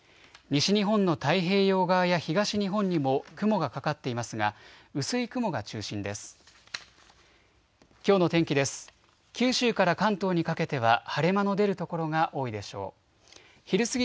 西日本の太平洋側や東日本にも雲がかかっていますが薄い雲が中心です。